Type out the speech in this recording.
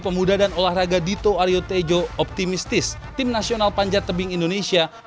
pemuda dan olahraga dito aryo tejo optimistis tim nasional panjat tebing indonesia